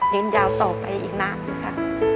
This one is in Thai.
ยืนยาวต่อไปอีกนานอยู่ค่ะ